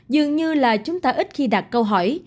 dường như là chúng ta ít khi đặt câu hỏi